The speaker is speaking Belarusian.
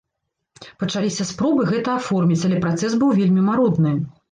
Пачаліся спробы гэта аформіць, але працэс быў вельмі марудны.